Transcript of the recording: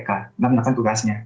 dalam menekan tugasnya